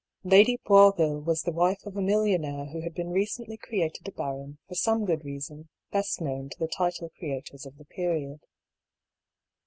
Lady Boisville was the wife of a millionaire who had been recently created a baron for some good reason best known to the title creators of the period.